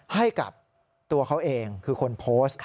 ให้กับตัวเขาเองคือคนโพสต์